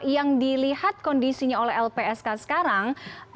yang dilihat kondisinya oleh lpsk sekarang